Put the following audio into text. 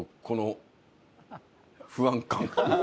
この不安感。